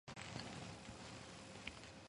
ისინი ებრძოდნენ პროლეტარიატის დიქტატურას.